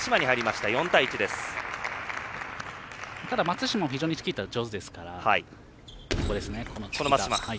ただ、松島も非常にチキータ上手ですから。